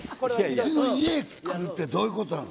家来るって、どういうこと。